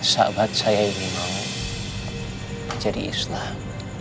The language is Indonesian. sahabat saya ini mau menjadi islam